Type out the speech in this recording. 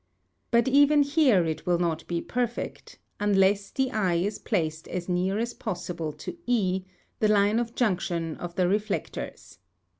But even here it will not be perfect, unless the eye is placed as near as possible to E, the line of junction of the reflectors.